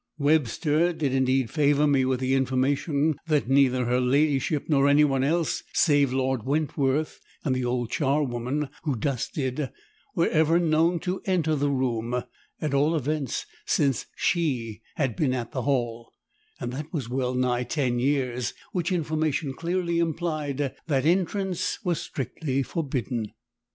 Webster did indeed favour me with the information, that neither her ladyship nor any one else, save Lord Wentworth and the old charwoman (who dusted) were ever known to enter the room, at all events since SHE had been at the Hall, and that was well nigh ten years; which information clearly implied that entrance was strictly forbidden.